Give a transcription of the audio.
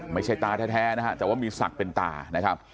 ไม่ใช่ตาแท้นะฮะแต่ว่ามีศักดิ์เป็นตานะครับ